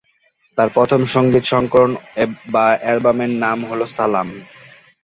তার প্রথম সঙ্গীত সংকলন বা অ্যালবামের নাম হলো "সালাম"।